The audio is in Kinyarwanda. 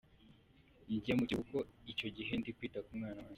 Njya mu kiruhuko icyo gihe ndi kwita ku mwana wanjye.